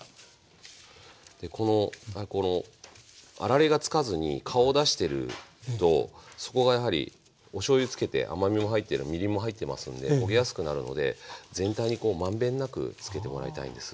でこのあられがつかずに顔を出してるとそこがやはりおしょうゆつけて甘みも入ってるみりんも入ってますんで焦げやすくなるので全体にこう満遍なくつけてもらいたいんです。